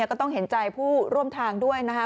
ก็ต้องเห็นใจผู้ร่วมทางด้วยนะคะ